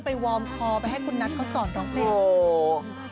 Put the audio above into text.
ไปวอร์มคอไปให้คุณนัทเขาสอนดอกแม่